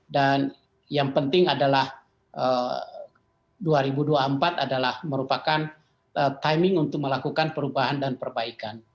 dan yang penting adalah dua ribu dua puluh empat adalah merupakan timing untuk melakukan perubahan dan perbaikan